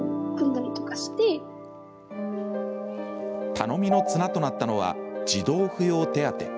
頼みの綱となったのは児童扶養手当。